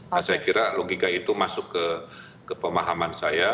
nah saya kira logika itu masuk ke pemahaman saya